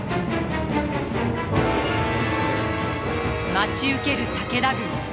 待ち受ける武田軍。